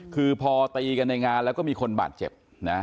คือพอตีกันในงานแล้วก็มีคนบาดเจ็บนะ